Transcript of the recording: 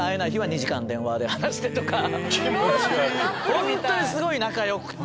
本当にすごい仲良くて。